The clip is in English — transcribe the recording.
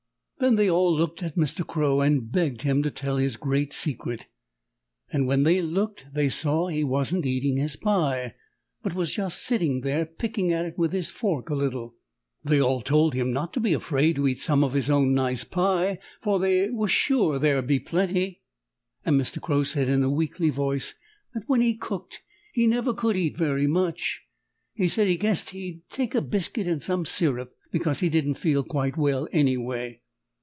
Then they all looked at Mr. Crow and begged him to tell his great secret, and when they looked they saw he wasn't eating his pie, but was just sitting there picking at it with his fork a little. They all told him not to be afraid to eat some of his own nice pie, for they were sure there'd be plenty, and Mr. Crow said in a weakly voice that when he cooked he never could eat very much. He said he guessed he'd take a biscuit and some syrup because he didn't feel quite well, anyway.